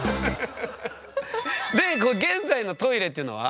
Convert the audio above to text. で「現在」の「トイレ」っていうのは？